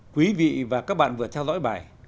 quý vị và các bạn vừa theo dõi bài